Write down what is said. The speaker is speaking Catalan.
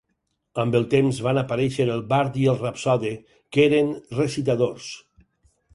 Amb el temps van aparèixer el bard i el rapsode, que eren recitadors.